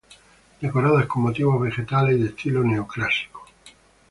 Decoradas con motivos vegetales y de estilo neoclásico.